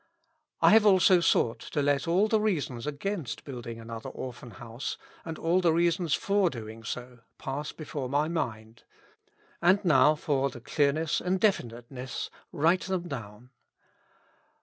I have also sought to let all the reasons against building another Orphan House, and all the reasons /or doing so pass before my mind : and now for the clearness and definiteness, write them down.